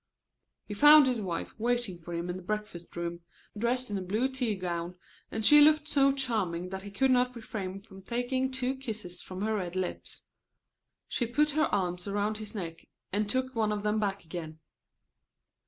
He found his wife waiting for him in the breakfast room, dressed in a blue tea gown, and she looked so charming that he could not refrain from taking two kisses from her red lips. She put her arms around his neck and took one of them back again.